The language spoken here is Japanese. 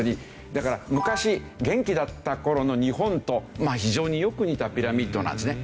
だから昔元気だった頃の日本と非常によく似たピラミッドなんですね。